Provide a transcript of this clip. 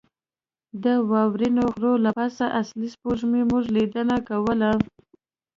د واورینو غرو له پاسه اصلي سپوږمۍ زموږ لیدنه کوله.